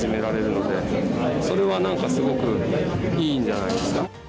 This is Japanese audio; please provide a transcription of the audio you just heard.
それは何かすごくいいんじゃないですか。